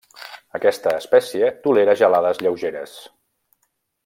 Aquesta espècie tolera gelades lleugeres.